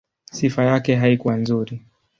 Sifa yake haikuwa nzuri.